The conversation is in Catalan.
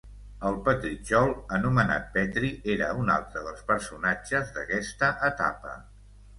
El Petritxol, anomenat Petri, era un altre dels personatges d'aquesta etapa.